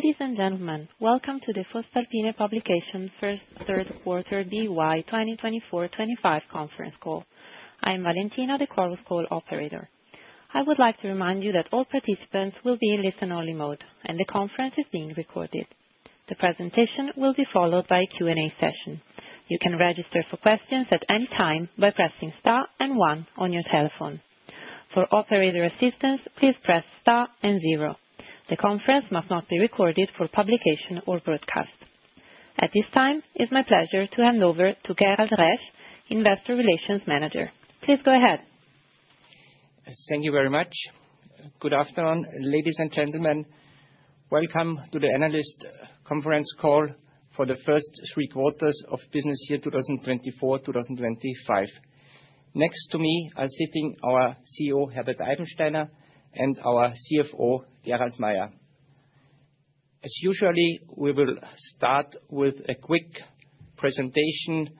Ladies and gentlemen, welcome to the voestalpine first and third quarter FY 2024-25 conference call. I am Valentina, the call operator. I would like to remind you that all participants will be in listen-only mode, and the conference is being recorded. The presentation will be followed by a Q&A session. You can register for questions at any time by pressing Star and one on your telephone. For operator assistance, please press star and zero. The conference must not be recorded for publication or broadcast. At this time, it's my pleasure to hand over to Gerald Resch, Investor Relations Manager. Please go ahead. Thank you very much. Good afternoon, ladies and gentlemen. Welcome to the analyst conference call for the first three quarters of business year 2024-2025. Next to me are sitting our CEO, Herbert Eibensteiner, and our CFO, Gerald Mayer. As usual, we will start with a quick presentation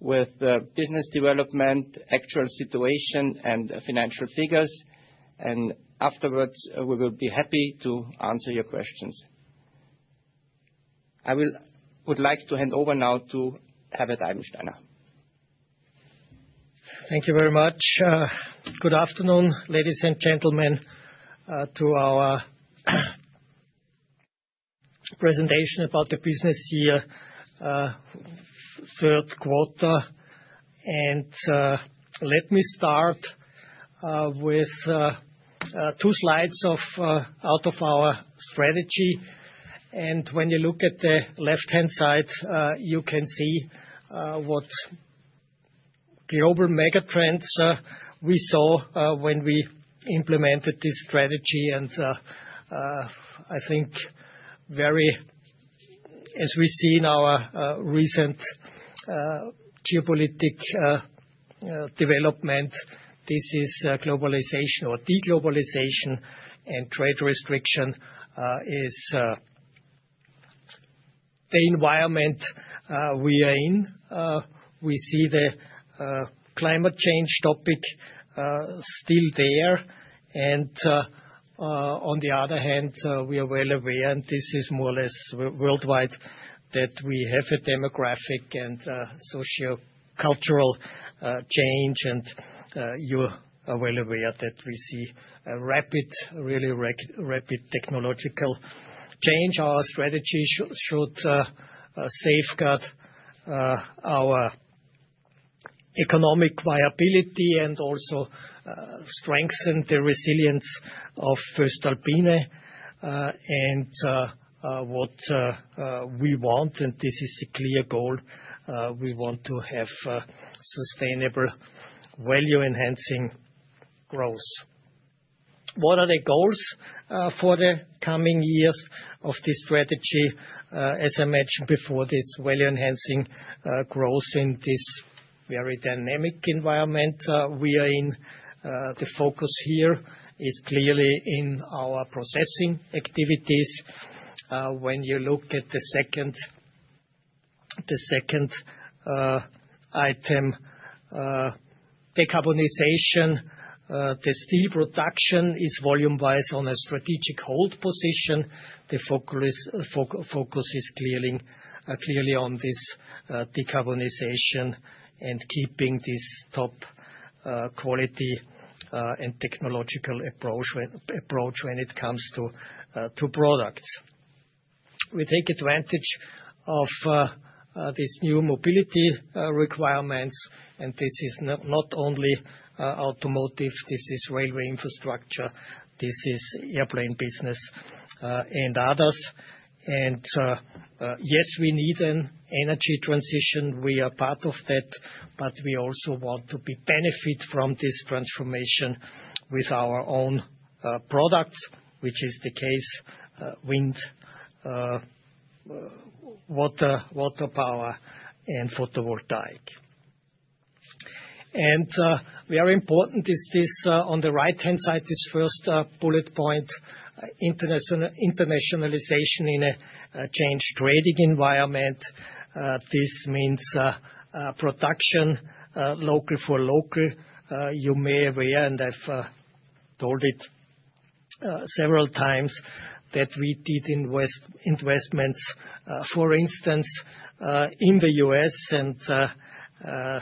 with business development, actual situation, and financial figures. And afterwards, we will be happy to answer your questions. I would like to hand over now to Herbert Eibensteiner. Thank you very much. Good afternoon, ladies and gentlemen, to our presentation about the business year, third quarter. And let me start with two slides out of our strategy. And when you look at the left-hand side, you can see what global megatrends we saw when we implemented this strategy. And I think very, as we see in our recent geopolitical development, this is globalization or deglobalization and trade restriction is the environment we are in. We see the climate change topic still there. And on the other hand, we are well aware, and this is more or less worldwide, that we have a demographic and socio-cultural change. And you are well aware that we see a rapid, really rapid technological change. Our strategy should safeguard our economic viability and also strengthen the resilience of Voestalpine. And what we want, and this is a clear goal, we want to have sustainable value-enhancing growth. What are the goals for the coming years of this strategy? As I mentioned before, this value-enhancing growth in this very dynamic environment we are in, the focus here is clearly in our processing activities. When you look at the second item, decarbonization, the steel production is volume-wise on a strategic hold position. The focus is clearly on this decarbonization and keeping this top quality and technological approach when it comes to products. We take advantage of these new mobility requirements, and this is not only automotive, this is railway infrastructure, this is airplane business, and others. And yes, we need an energy transition. We are part of that, but we also want to benefit from this transformation with our own products, which is the case: wind, water power, and photovoltaic. Very important is this on the right-hand side, this first bullet point: internationalization in a changing trade environment. This means production local for local. You may be aware, and I've told it several times, that we did investments, for instance, in the U.S., and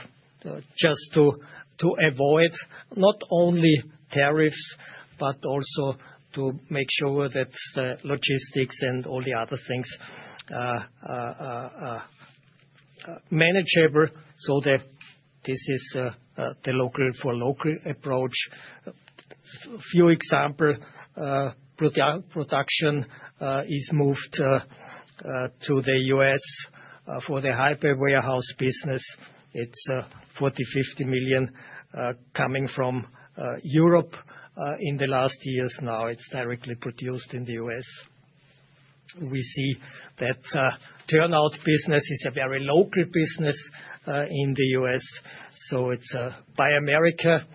just to avoid not only tariffs, but also to make sure that the logistics and all the other things are manageable. So this is the local for local approach. A few examples, production is moved to the U.S. for the high-bay warehouse business. It's 40 million-50 million coming from Europe in the last years now. It's directly produced in the U.S. We see that turnout business is a very local business in the U.S. So it's a Buy America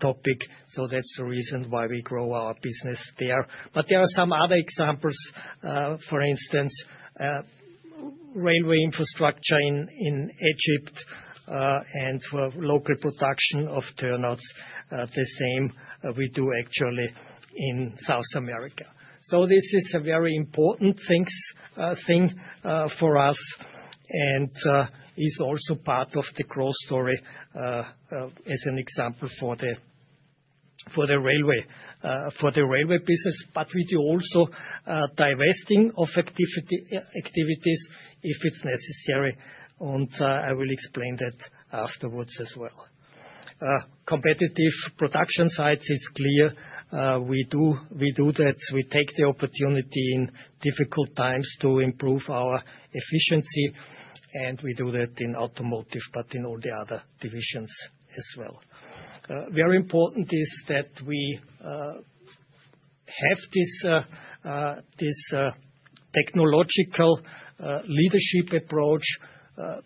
topic. So that's the reason why we grow our business there. But there are some other examples, for instance, railway infrastructure in Egypt and local production of turnouts, the same we do actually in South America. So this is a very important thing for us and is also part of the growth story as an example for the railway business. But we do also divesting of activities if it's necessary. And I will explain that afterwards as well. Competitive production sites is clear. We do that. We take the opportunity in difficult times to improve our efficiency. And we do that in automotive, but in all the other divisions as well. Very important is that we have this technological leadership approach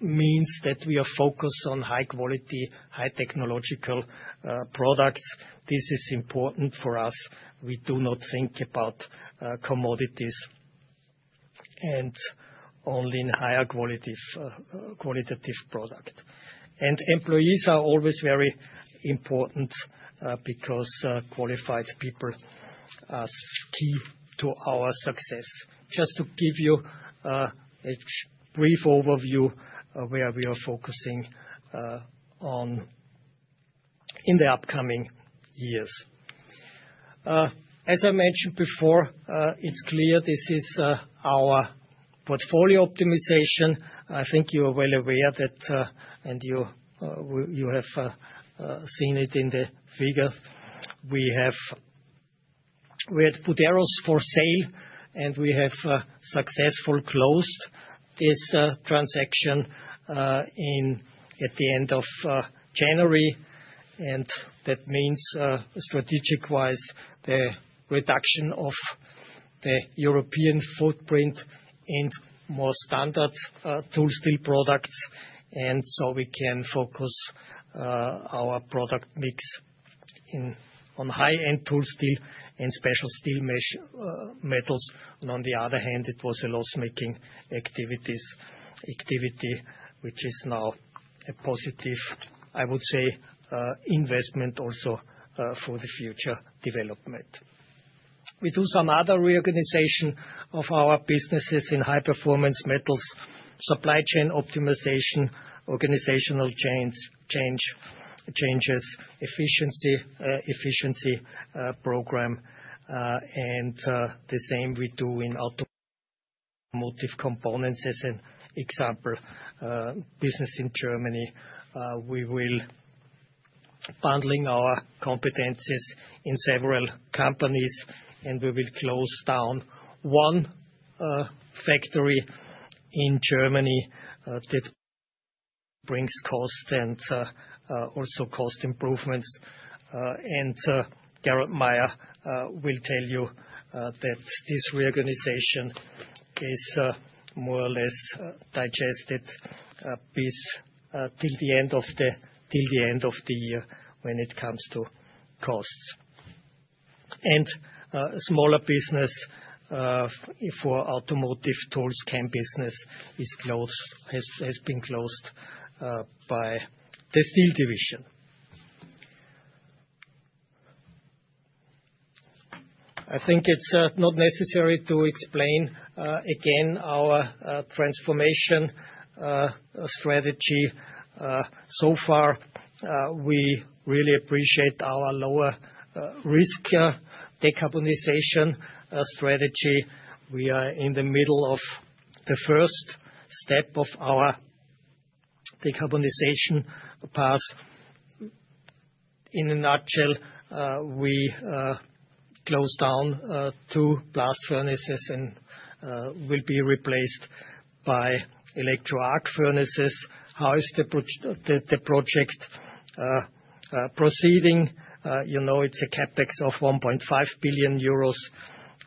means that we are focused on high quality, high technological products. This is important for us. We do not think about commodities and only in higher qualitative product. Employees are always very important because qualified people are key to our success. Just to give you a brief overview of where we are focusing in the upcoming years. As I mentioned before, it's clear this is our portfolio optimization. I think you are well aware that, and you have seen it in the figures, we had put areas for sale, and we have successfully closed this transaction at the end of January. And that means strategic-wise, the reduction of the European footprint and more standard tool steel products. And so we can focus our product mix on high-end tool steel and special steel metals. And on the other hand, it was a loss-making activity, which is now a positive, I would say, investment also for the future development. We do some other reorganization of our businesses in High Performance Metals, supply chain optimization, organizational changes, efficiency program. The same we do in Automotive Components as an example. Business in Germany, we will be bundling our competencies in several companies, and we will close down one factory in Germany that brings cost and also cost improvements. Gerald Mayer will tell you that this reorganization is more or less digested till the end of the year when it comes to costs. Smaller business for automotive tools, cam business, has been closed by the Steel Division. I think it's not necessary to explain again our transformation strategy. So far, we really appreciate our lower risk decarbonization strategy. We are in the middle of the first step of our decarbonization path. In a nutshell, we closed down two blast furnaces and will be replaced by electric arc furnaces. How is the project proceeding? You know, it's a CapEx of 1.5 billion euros.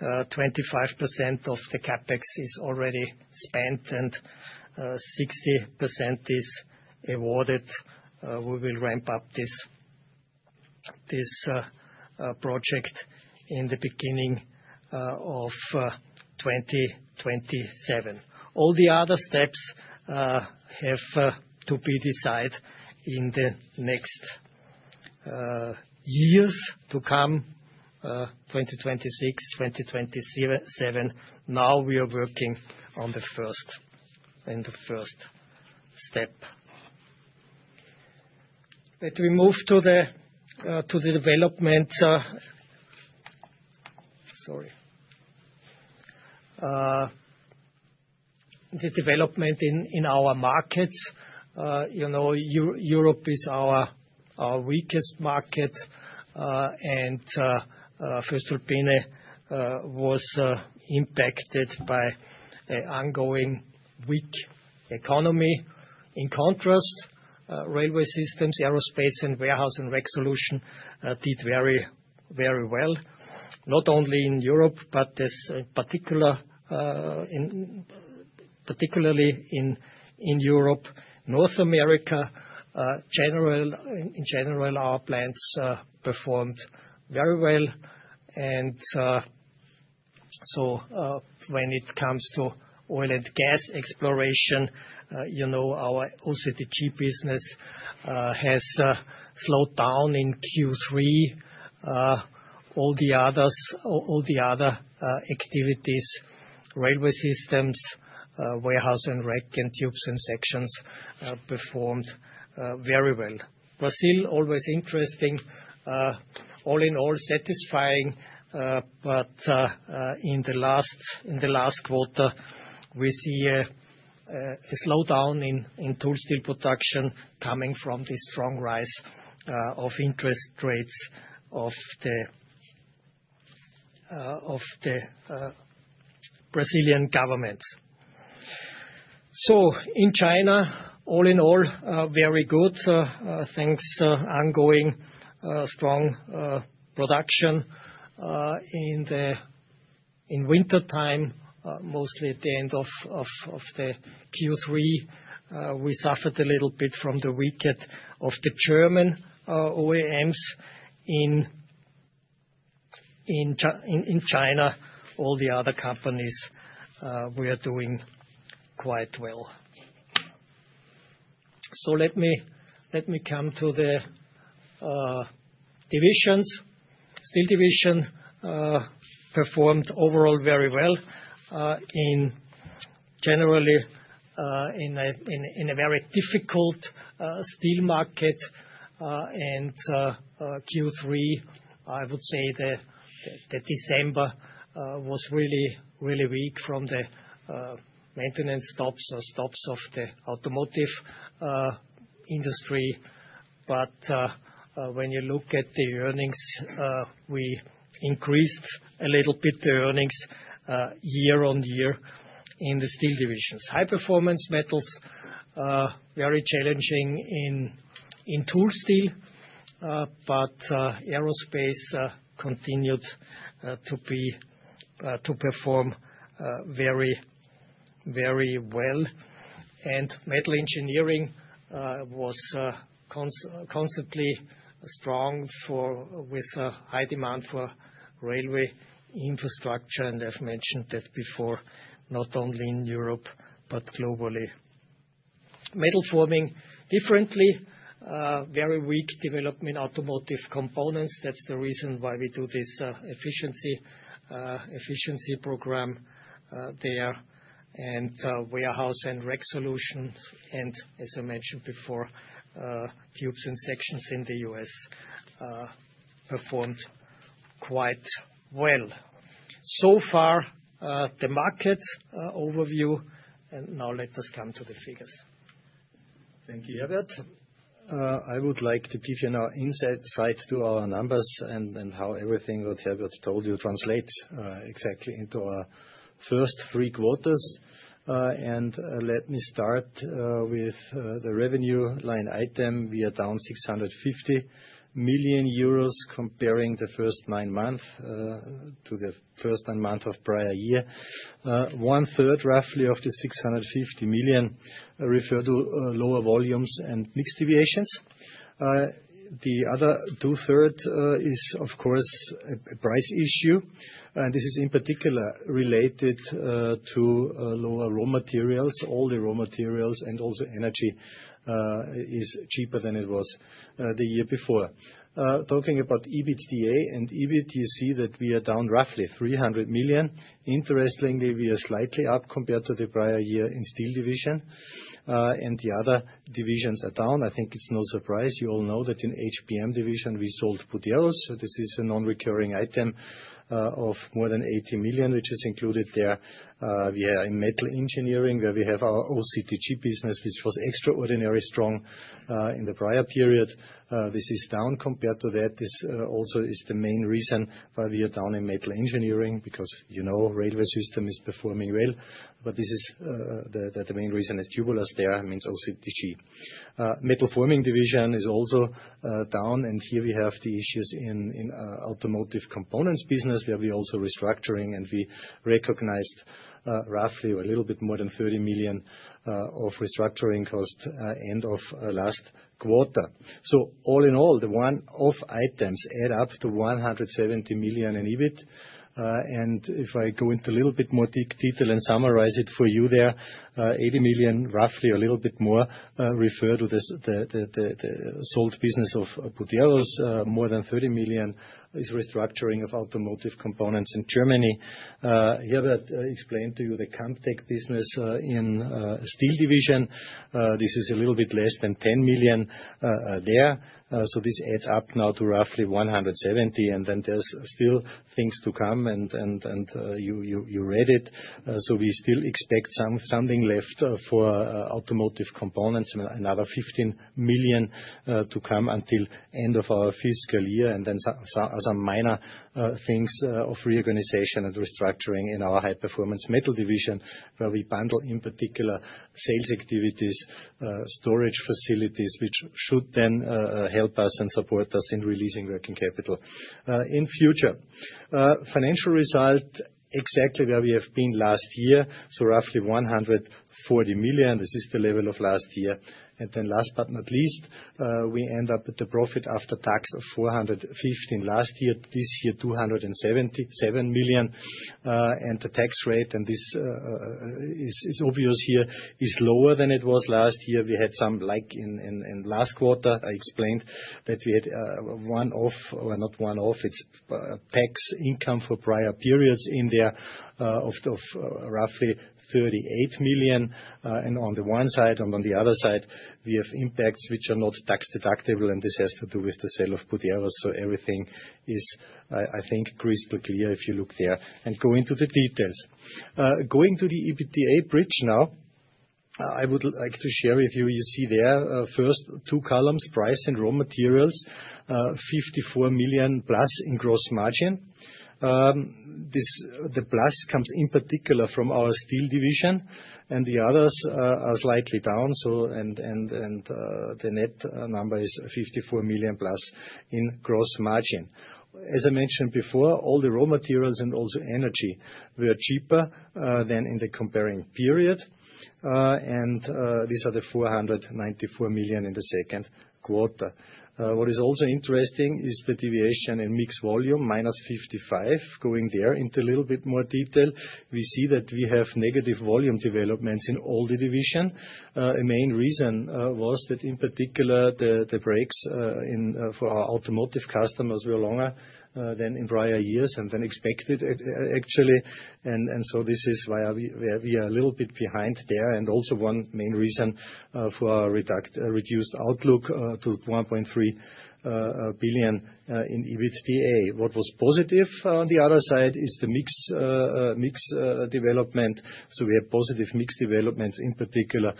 25% of the CapEx is already spent, and 60% is awarded. We will ramp up this project in the beginning of 2027. All the other steps have to be decided in the next years to come, 2026, 2027. Now we are working on the first and the first step. Let me move to the development. Sorry. The development in our markets. You know, Europe is our weakest market, and voestalpine was impacted by an ongoing weak economy. In contrast, railway systems, aerospace, and warehouse and rack solution did very, very well. Not only in Europe, but particularly in Europe. North America, in general, our plants performed very well. And so when it comes to oil and gas exploration, you know, our OCTG business has slowed down in Q3. All the other activities, Railway Systems, Warehouse & Rack, and Tubes & Sections performed very well. Brazil, always interesting. All in all, satisfying. But in the last quarter, we see a slowdown in tool steel production coming from the strong rise of interest rates of the Brazilian governments. So in China, all in all, very good. Thanks to ongoing strong production in the wintertime, mostly at the end of the Q3, we suffered a little bit from the weakness of the German OEMs in China. All the other companies were doing quite well. So let me come to the divisions. Steel Division performed overall very well. Generally, in a very difficult steel market, and Q3, I would say that December was really, really weak from the maintenance stops of the automotive industry. But when you look at the earnings, we increased a little bit the earnings year on year in the Steel Division. High Performance Metals are very challenging in tool steel, but aerospace continued to perform very, very well. Metal Engineering was constantly strong with high demand for railway infrastructure. I've mentioned that before, not only in Europe, but globally. Metal Forming differently, very weak development Automotive Components. That's the reason why we do this efficiency program there. And Warehouse & Rack Solutions. As I mentioned before, Tubes & Sections in the U.S. performed quite well. So far, the market overview. Now let us come to the figures. Thank you, Herbert. I would like to give you now insight to our numbers and how everything what Herbert told you translates exactly into our first three quarters. Let me start with the revenue line item. We are down 650 million euros comparing the first nine months to the first nine months of prior year. One third roughly of the 650 million refer to lower volumes and mixed deviations. The other two thirds is, of course, a price issue. And this is in particular related to lower raw materials. All the raw materials and also energy is cheaper than it was the year before. Talking about EBITDA and EBIT, you see that we are down roughly 300 million. Interestingly, we are slightly up compared to the prior year in Steel Division. And the other divisions are down. I think it's no surprise. You all know that in HPM division, we sold Buderus. This is a non-recurring item of more than 80 million, which is included there. We are in Metal Engineering, where we have our OCTG business, which was extraordinarily strong in the prior period. This is down compared to that. This also is the main reason why we are down in Metal Engineering, because you know railway system is performing well. This is the main reason is troubles there, means OCTG. Metal Forming Division is also down. And here we have the issues in Automotive Components business, where we also restructuring. And we recognized roughly a little bit more than 30 million of restructuring cost end of last quarter. So all in all, the one-off items add up to 170 million in EBIT. And if I go into a little bit more detail and summarize it for you there, 80 million roughly, a little bit more, refer to the sold business of Buderus. More than 30 million is restructuring of Automotive Components in Germany. Herbert, I explained to you the Camtec business in Steel Division. This is a little bit less than 10 million there. So this adds up now to roughly 170 million. And then there's still things to come. And you read it. So we still expect something left for Automotive Components, another 15 million to come until end of our fiscal year. And then some minor things of reorganization and restructuring in our High Performance Metals Division, where we bundle in particular sales activities, storage facilities, which should then help us and support us in releasing working capital in future. Financial result exactly where we have been last year, so roughly 140 million. This is the level of last year. And then last but not least, we end up with a profit after tax of 415 million last year. This year, 277 million. And the tax rate, and this is obvious here, is lower than it was last year. We had some, like in last quarter, I explained that we had one-off, or not one-off, it's tax income for prior periods in there of roughly 38 million. On the one side, and on the other side, we have impacts which are not tax deductible. And this has to do with the sale of Buderus. So everything is, I think, crystal clear if you look there and go into the details. Going to the EBITDA bridge now, I would like to share with you. You see there first two columns, price and raw materials, 54 million plus in gross margin. The plus comes in particular from our Steel Division. And the others are slightly down. And the net number is 54 million plus in gross margin. As I mentioned before, all the raw materials and also energy were cheaper than in the comparable period. And these are the 494 million in the second quarter. What is also interesting is the deviation in mixed volume, minus 55. Going there into a little bit more detail, we see that we have negative volume developments in all the divisions. A main reason was that in particular the breaks for our automotive customers were longer than in prior years and than expected, actually, and so this is why we are a little bit behind there, and also one main reason for our reduced outlook to 1.3 billion in EBITDA. What was positive on the other side is the mixed development. So we have positive mixed developments in particular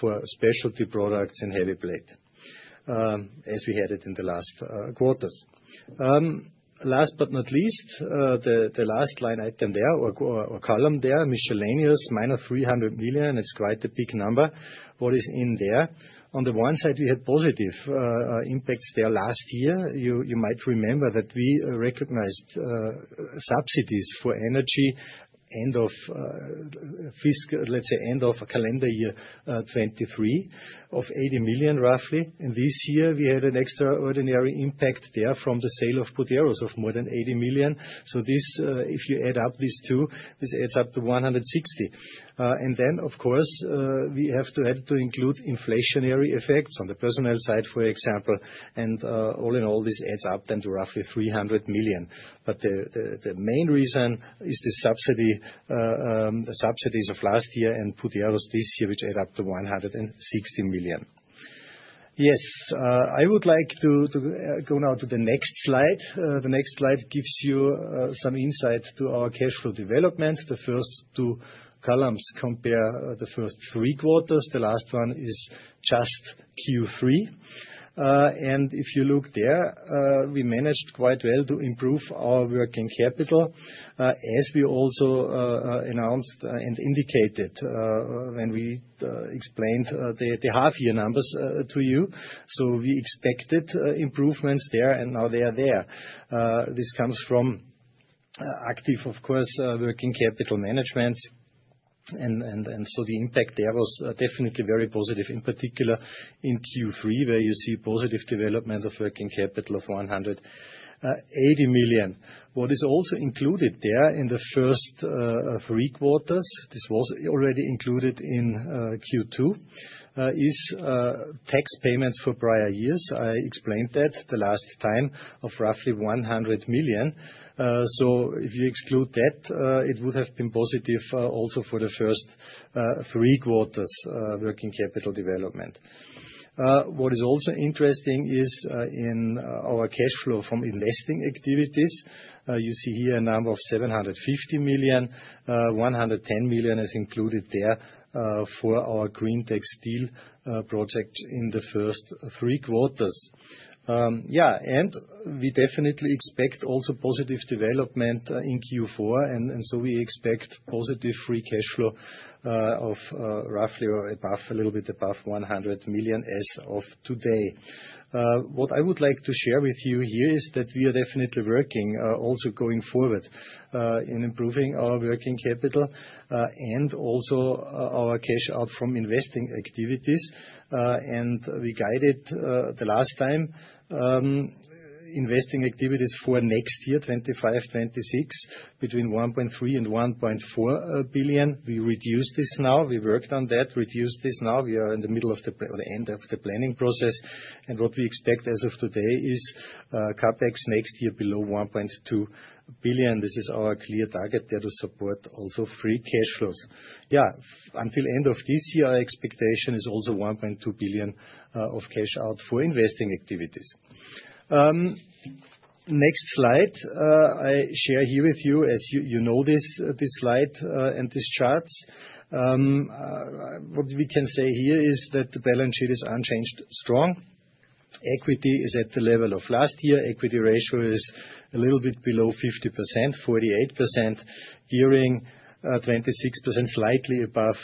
for specialty products and heavy plate as we had it in the last quarters. Last but not least, the last line item there or column there, miscellaneous, –300 million. It's quite a big number. What is in there? On the one side, we had positive impacts there last year. You might remember that we recognized subsidies for energy end of fiscal, let's say end of calendar year 2023 of 80 million roughly. And this year, we had an extraordinary impact there from the sale of Buderus of more than 80 million. So this, if you add up these two, this adds up to 160 million. And then, of course, we have to add to include inflationary effects on the personnel side, for example. And all in all, this adds up then to roughly 300 million. But the main reason is the subsidies of last year and Buderus this year, which add up to 160 million. Yes, I would like to go now to the next slide. The next slide gives you some insight to our cash flow development. The first two columns compare the first three quarters. The last one is just Q3. If you look there, we managed quite well to improve our working capital, as we also announced and indicated when we explained the half-year numbers to you. We expected improvements there, and now they are there. This comes from active, of course, working capital management. The impact there was definitely very positive, in particular in Q3, where you see positive development of working capital of 180 million. What is also included there in the first three quarters, this was already included in Q2, is tax payments for prior years. I explained that the last time of roughly 100 million. If you exclude that, it would have been positive also for the first three quarters working capital development. What is also interesting is in our cash flow from investing activities. You see here a number of 750 million. 110 million is included there for our greentec steel project in the first three quarters. Yeah, and we definitely expect also positive development in Q4. And so we expect positive free cash flow of roughly a little bit above 100 million as of today. What I would like to share with you here is that we are definitely working also going forward in improving our working capital and also our cash out from investing activities. And we guided the last time investing activities for next year, 2025-2026, between 1.3 billion and 1.4 billion. We reduced this now. We worked on that, reduced this now. We are in the middle of the end of the planning process. And what we expect as of today is CapEx next year below 1.2 billion. This is our clear target there to support also free cash flows. Yeah, until end of this year, our expectation is also 1.2 billion of cash out for investing activities. Next slide, I share here with you, as you know this, this slide and this chart. What we can say here is that the balance sheet is unchanged, strong. Equity is at the level of last year. Equity ratio is a little bit below 50%, 48% year-end, 26% slightly above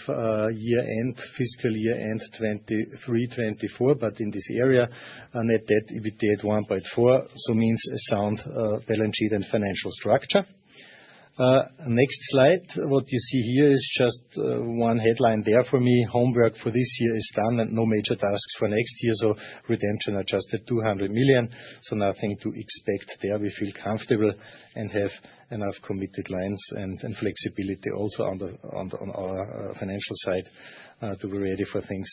year-end, fiscal year-end 2023-2024, but in this area, net debt EBITDA at 1.4. So means a sound balance sheet and financial structure. Next slide. What you see here is just one headline there for me. Homework for this year is done and no major tasks for next year. So redemption adjusted 200 million. So nothing to expect there. We feel comfortable and have enough committed lines and flexibility also on our financial side to be ready for things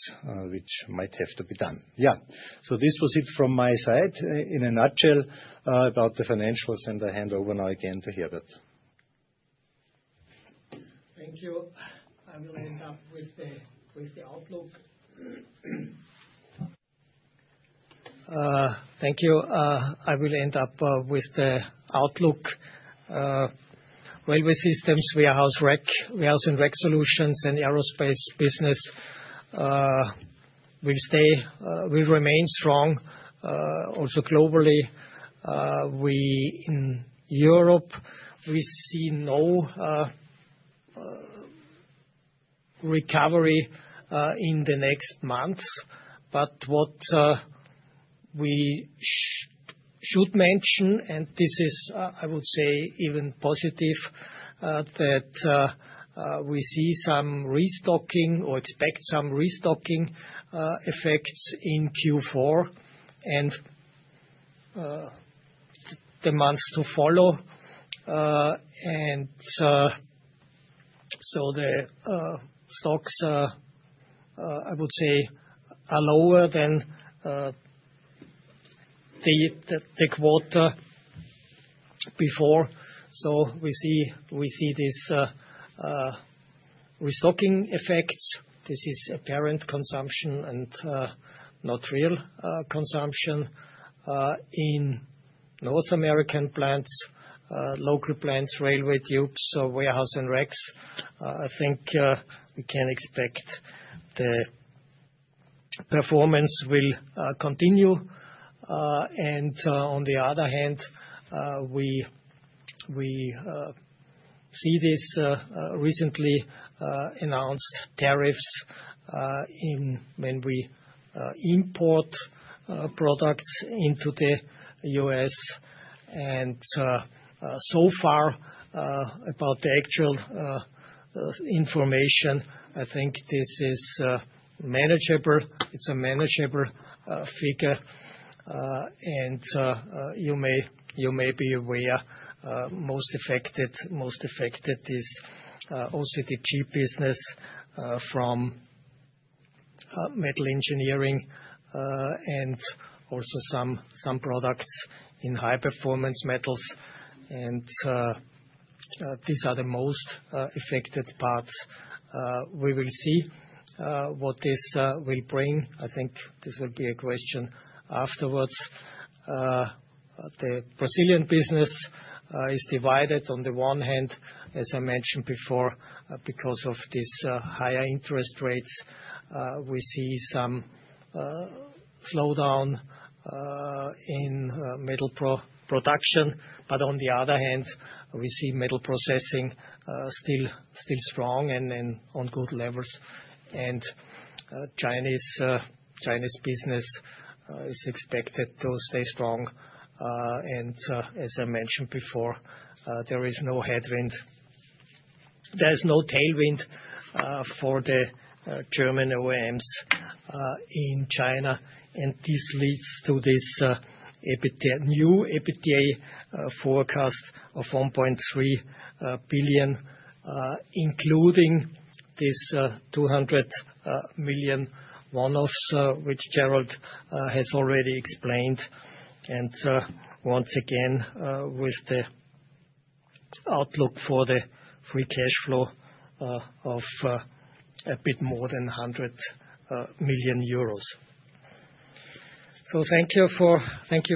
which might have to be done. Yeah, so this was it from my side in a nutshell about the financials, and I hand over now again to Herbert. Thank you. I will wrap up with the outlook. Railway Systems, Warehouse & Rack Solutions, and aerospace business will remain strong also globally. In Europe, we see no recovery in the next months, but what we should mention, and this is, I would say, even positive, is that we see some restocking or expect some restocking effects in Q4 and the months to follow, and so the stocks, I would say, are lower than the quarter before. So we see these restocking effects. This is apparent consumption and not real consumption in North American plants, local plants, railway tubes, Warehouse & Racks. I think we can expect the performance will continue, and on the other hand, we see this recently announced tariffs when we import products into the U.S., and so far, about the actual information, I think this is manageable. It's a manageable figure, and you may be aware, most affected is OCTG business from Metal Engineering and also some products in High Performance Metals. And these are the most affected parts. We will see what this will bring. I think this will be a question afterwards. The Brazilian business is divided on the one hand, as I mentioned before, because of these higher interest rates. We see some slowdown in metal production, but on the other hand, we see metal processing still strong and on good levels. Chinese business is expected to stay strong. As I mentioned before, there is no headwind. There is no tailwind for the German OEMs in China. This leads to this new EBITDA forecast of 1.3 billion, including this 200 million one-offs, which Gerald has already explained. Once again, with the outlook for the free cash flow of a bit more than 100 million euros. Thank you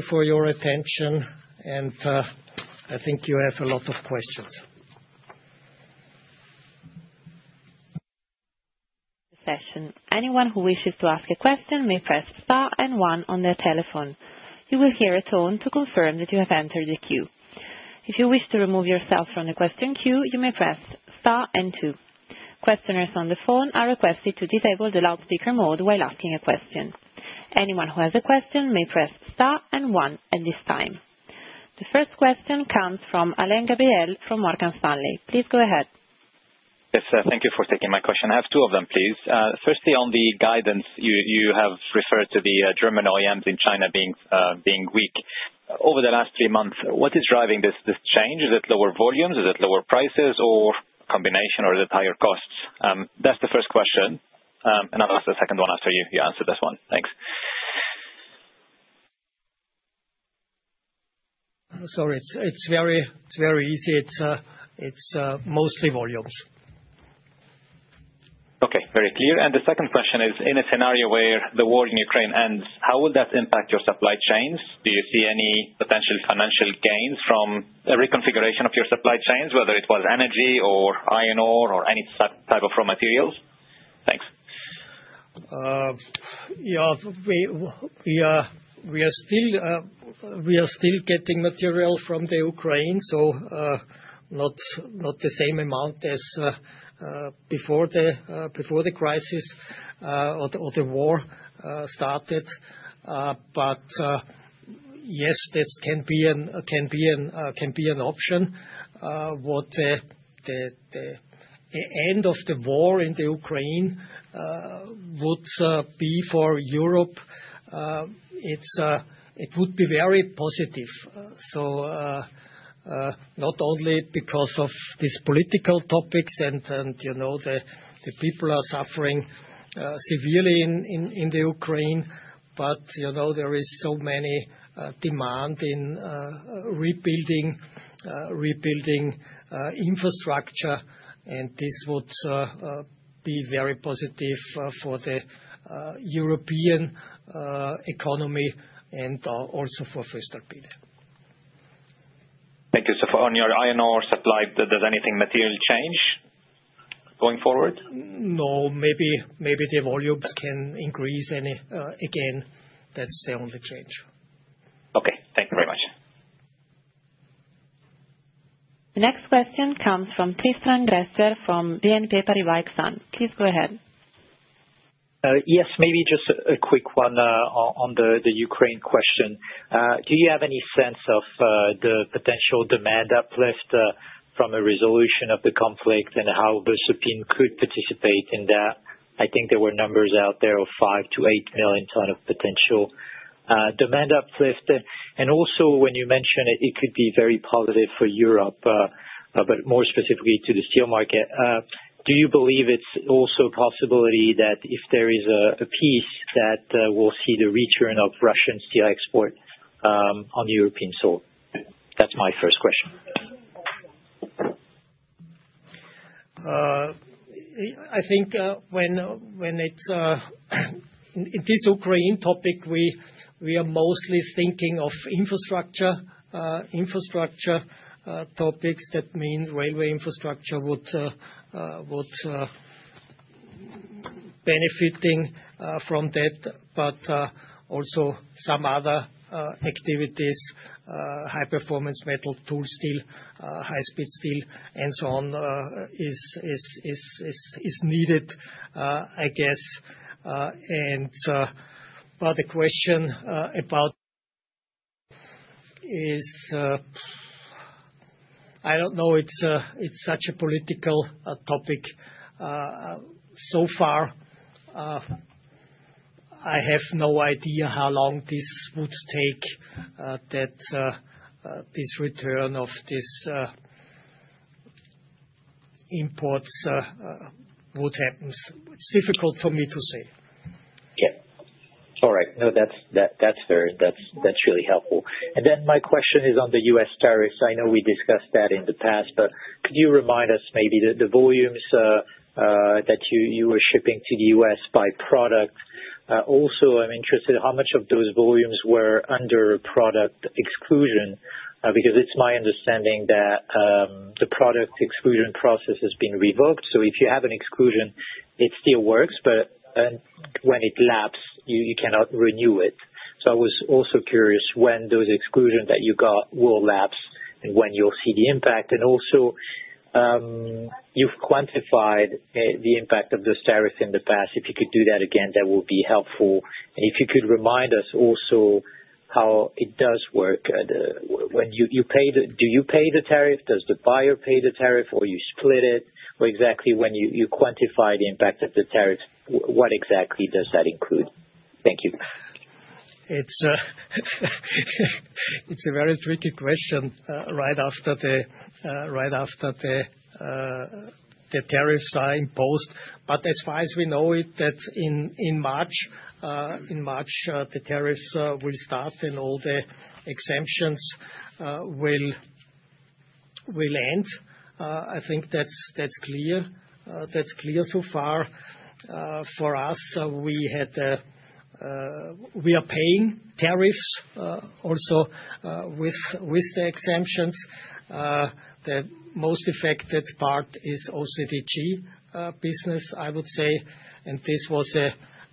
for your attention. I think you have a lot of questions. Session. Anyone who wishes to ask a question may press star and one on their telephone. You will hear a tone to confirm that you have entered the queue. If you wish to remove yourself from the question queue, you may press star and two. Questioners on the phone are requested to disable the loudspeaker mode while asking a question. Anyone who has a question may press star and one at this time. The first question comes from Alain Gabriel from Morgan Stanley. Please go ahead. Yes, thank you for taking my question. I have two of them, please. Firstly, on the guidance, you have referred to the German OEMs in China being weak over the last three months. What is driving this change? Is it lower volumes? Is it lower prices or combination, or is it higher costs? That's the first question. And I'll ask the second one after you answer this one. Thanks. Sorry, it's very easy. It's mostly volumes. Okay, very clear. And the second question is, in a scenario where the war in Ukraine ends, how will that impact your supply chains? Do you see any potential financial gains from a reconfiguration of your supply chains, whether it was energy or iron ore or any type of raw materials? Thanks. Yeah, we are still getting material from the Ukraine, so not the same amount as before the crisis or the war started. But yes, this can be an option. What the end of the war in the Ukraine would be for Europe, it would be very positive, so not only because of these political topics and the people are suffering severely in the Ukraine, but there is so much demand in rebuilding infrastructure, and this would be very positive for the European economy and also for fiscal period. Thank you. So, on your iron ore supply, does anything material change going forward? No, maybe the volumes can increase again. That's the only change. Okay, thank you very much. The next question comes from Tristan Gresser from BNP Paribas Exane. Please go ahead. Yes, maybe just a quick one on the Ukraine question. Do you have any sense of the potential demand uplift from a resolution of the conflict and how voestalpine could participate in that? I think there were numbers out there of five to eight million tonnes of potential demand uplift. And also, when you mentioned it could be very positive for Europe, but more specifically to the steel market, do you believe it's also a possibility that if there is a peace, that we'll see the return of Russian steel export on the European soil? That's my first question. I think when it's this Ukraine topic, we are mostly thinking of infrastructure topics. That means railway infrastructure would benefit from that. But also some other activities, High Performance Metal tool steel, High-Speed Steel, and so on is needed, I guess. And the question about is, I don't know, it's such a political topic. So far, I have no idea how long this would take that this return of these imports would happen. It's difficult for me to say. Yeah, all right. No, that's fair. That's really helpful. And then my question is on the U.S. tariffs. I know we discussed that in the past, but could you remind us maybe the volumes that you were shipping to the U.S. by product? Also, I'm interested in how much of those volumes were under product exclusion because it's my understanding that the product exclusion process has been revoked. So if you have an exclusion, it still works, but when it lapses, you cannot renew it. So I was also curious when those exclusions that you got will lapse and when you'll see the impact. And also, you've quantified the impact of the tariff in the past. If you could do that again, that will be helpful. And if you could remind us also how it does work. Do you pay the tariff? Does the buyer pay the tariff, or you split it? Or exactly when you quantify the impact of the tariff, what exactly does that include? Thank you. It's a very tricky question right after the tariffs are imposed. But as far as we know, that in March, the tariffs will start and all the exemptions will end. I think that's clear so far. For us, we are paying tariffs also with the exemptions. The most affected part is OCTG business, I would say. This was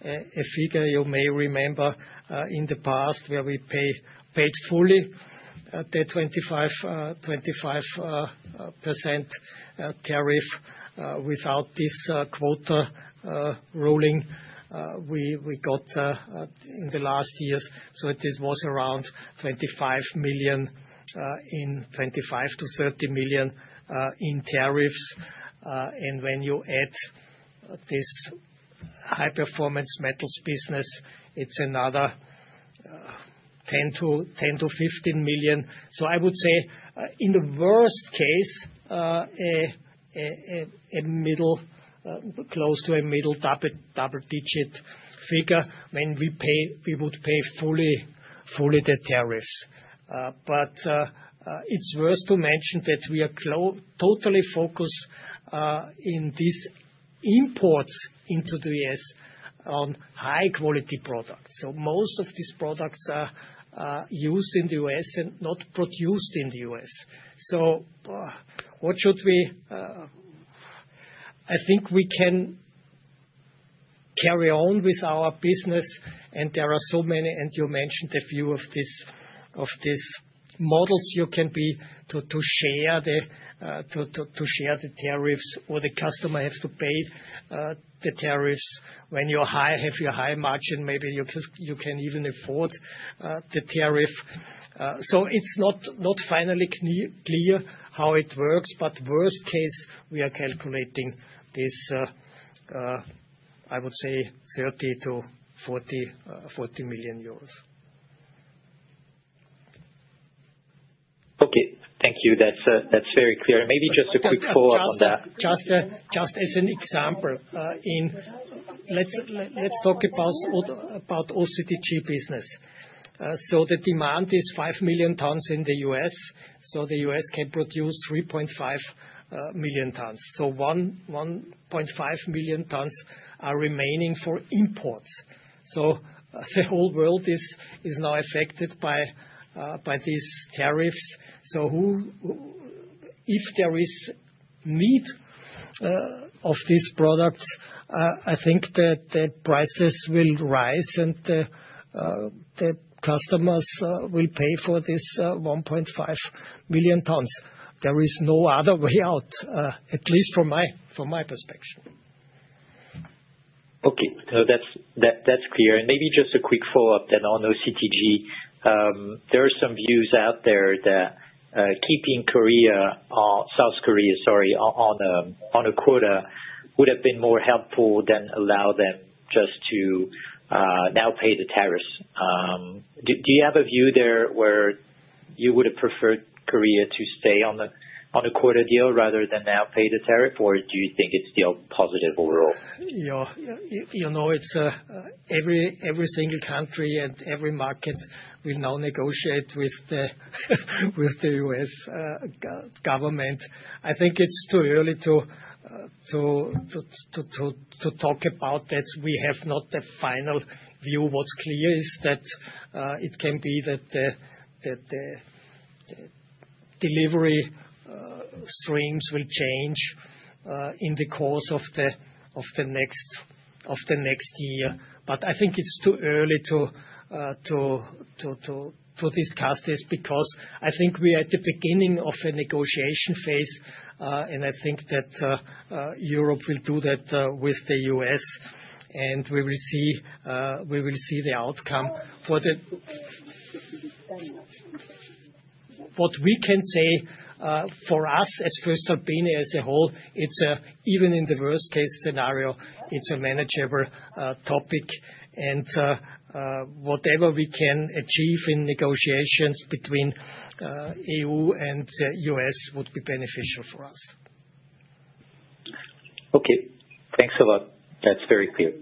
a figure you may remember in the past where we paid fully the 25% tariff without this quota ruling we got in the last years. So this was around 25 million-30 million in tariffs. And when you add this High Performance Metals business, it's another 10 million-15 million. So I would say in the worst case, close to a middle double-digit figure when we would pay fully the tariffs. But it's worth to mention that we are totally focused in these imports into the U.S. on high-quality products. So most of these products are used in the U.S. and not produced in the U.S. So what should we? I think we can carry on with our business, and there are so many, and you mentioned a few of these models you can be to share the tariffs or the customer has to pay the tariffs. When you have your high margin, maybe you can even afford the tariff. So it's not finally clear how it works, but worst case, we are calculating this, I would say, EUR 30 million-EUR 40 million. Okay, thank you. That's very clear. Maybe just a quick follow-up on that. Just as an example, let's talk about OCTG business. So the demand is 5 million tons in the U.S. So the U.S. can produce 3.5 million tons. So 1.5 million tonnes are remaining for imports. So the whole world is now affected by these tariffs. So if there is need of these products, I think that the prices will rise and the customers will pay for this 1.5 million tons. There is no other way out, at least from my perspective. Okay, so that's clear. And maybe just a quick follow-up then on OCTG. There are some views out there that keeping South Korea, sorry, on a quota would have been more helpful than allow them just to now pay the tariffs. Do you have a view there where you would have preferred Korea to stay on a quota deal rather than now pay the tariff, or do you think it's still positive overall? Yeah, you know, it's every single country and every market will now negotiate with the U.S. government. I think it's too early to talk about that. We have not the final view. What's clear is that it can be that the delivery streams will change in the course of the next year. But I think it's too early to discuss this because I think we are at the beginning of a negotiation phase, and I think that Europe will do that with the U.S., and we will see the outcome. What we can say for us as voestalpine as a whole, even in the worst-case scenario, it's a manageable topic. And whatever we can achieve in negotiations between E.U. and U.S. would be beneficial for us. Okay, thanks a lot. That's very clear.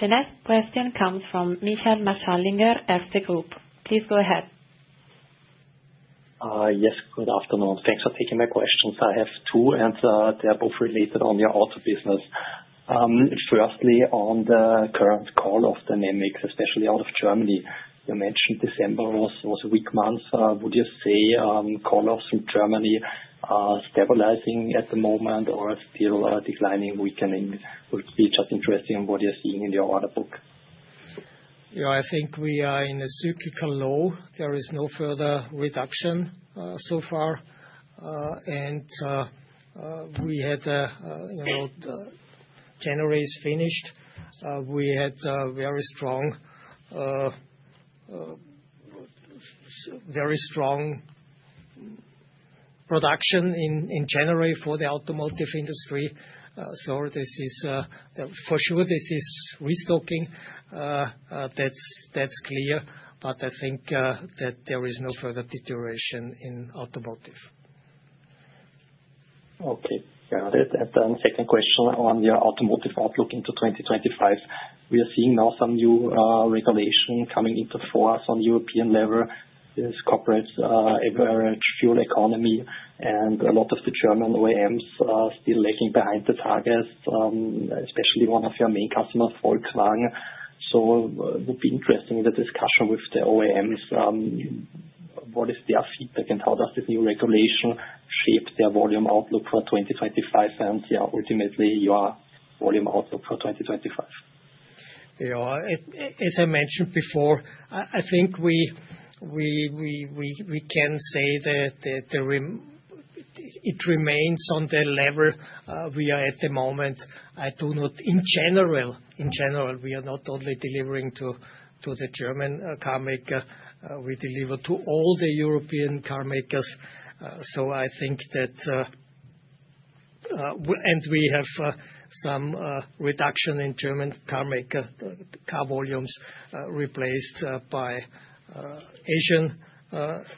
The next question comes from Michael Marschallinger of Erste Group. Please go ahead. Yes, good afternoon. Thanks for taking my questions. I have two, and they are both related on your auto business. Firstly, on the current call-off dynamics, especially out of Germany, you mentioned December was a weak month. Would you say call-off out of Germany is stabilizing at the moment or still declining, weakening? It would just be interesting what you're seeing in your order book. Yeah, I think we are in a cyclical low. There is no further reduction so far. And January is finished. We had very strong production in January for the automotive industry. So for sure, this is restocking. That's clear. But I think that there is no further deterioration in automotive. Okay, got it. And then second question on your automotive outlook into 2025. We are seeing now some new regulation coming into force on the European level. There's Corporate Average Fuel Economy, and a lot of the German OEMs are still lagging behind the targets, especially one of your main customers, Volkswagen. So it would be interesting in the discussion with the OEMs what is their feedback and how does this new regulation shape their volume outlook for 2025 and ultimately your volume outlook for 2025? Yeah, as I mentioned before, I think we can say that it remains on the level we are at the moment. In general, we are not only delivering to the German car maker. We deliver to all the European car makers. So I think that we have some reduction in German car maker car volumes replaced by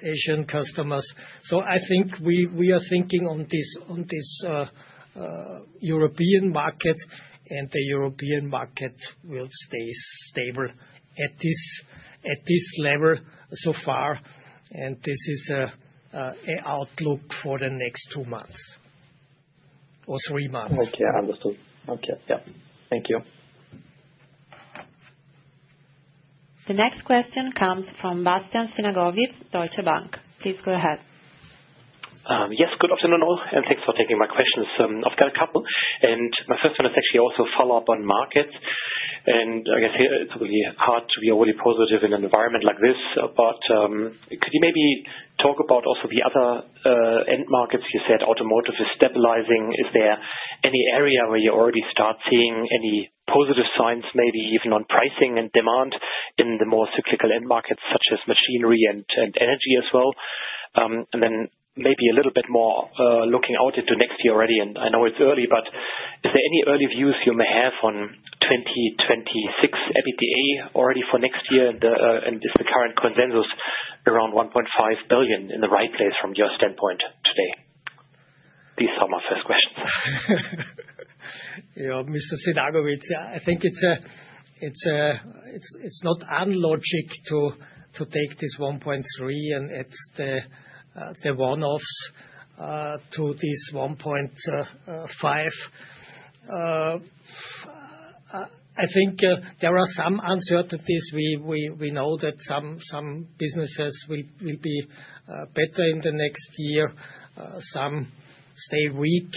Asian customers. So I think we are thinking on this European market, and the European market will stay stable at this level so far. And this is an outlook for the next two months or three months. Okay, I understood. Okay, yeah. Thank you. The next question comes from Bastian Synagowitz, Deutsche Bank. Please go ahead. Yes, good afternoon all, and thanks for taking my questions. I've got a couple. And my first one is actually also a follow-up on markets. And I guess it's really hard to be already positive in an environment like this. But could you maybe talk about also the other end markets? You said automotive is stabilizing. Is there any area where you already start seeing any positive signs, maybe even on pricing and demand in the more cyclical end markets such as machinery and energy as well? And then maybe a little bit more looking out into next year already. And I know it's early, but is there any early views you may have on 2026 EBITDA already for next year? And is the current consensus around 1.5 billion in the right place from your standpoint today? These are my first questions. Yeah, Mr. Synagowitz, I think it's not illogical to take this EUR 1.3 billion and add the one-offs to this EUR 1.5 billion. I think there are some uncertainties. We know that some businesses will be better in the next year. Some stay weak.